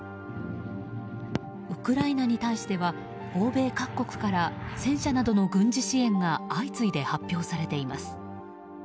ウクライナに対しては欧米各国から戦車などの軍事支援が相次いで発表されています。